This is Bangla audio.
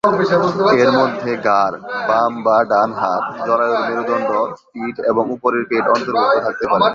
এর মধ্যে ঘাড়, বাম বা ডান হাত, জরায়ুর মেরুদণ্ড, পিঠ এবং উপরের পেট অন্তর্ভুক্ত থাকতে পারে।